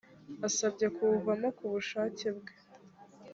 asabye kuwuvamo ku bushake bwe